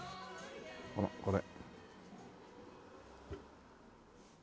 ほらこれ。